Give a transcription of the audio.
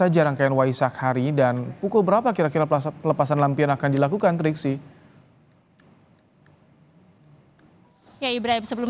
tidak ada hanya itu saja tersebut tersebut adalah perjalanan bisu tersebut tersebut adalah perjalanan bisu sejak tahun dua ribu dua puluh